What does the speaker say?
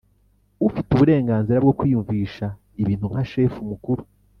Ufite uburenganzira bwo kwiyumvisha ibintu nka shefu mukuru